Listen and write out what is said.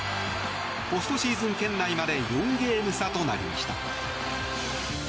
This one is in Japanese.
ポストシーズン圏内まで４ゲーム差となりました。